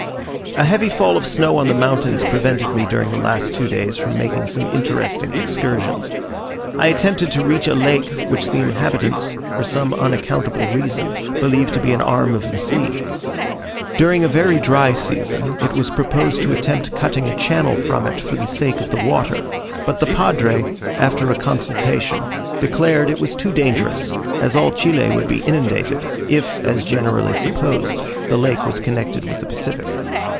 A heavy fall of snow on the mountains prevented me during the last two days, from making some interesting excursions. I attempted to reach a lake which the inhabitants, from some unaccountable reason, believe to be an arm of the sea. During a very dry season, it was proposed to attempt cutting a channel from it for the sake of the water, but the padre, after a consultation, declared it was too dangerous, as all Chile would be inundated, if, as generally supposed, the lake was connected with the Pacific.